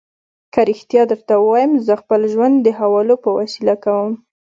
که رښتیا درته ووایم، زه خپل ژوند د حوالو په وسیله کوم.